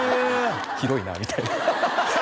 広いなみたいなハハハ！